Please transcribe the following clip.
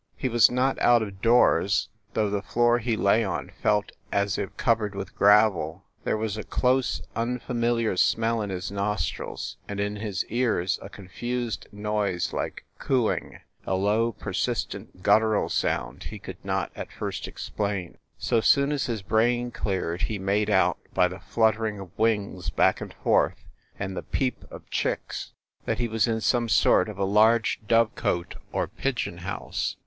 He was not out of doors, though the floor he lay on felt as if covered with gravel. There was a close, unfamiliar smell in his nostrils, and in his ears a confused noise like cooing, a low, persistent, gut tural sound he could not at first explain. So soon as his brain cleared, he made out, by the fluttering of wings back and forth, and the peep of chicks, that he was in some sort of a large dove cote or pigeon house.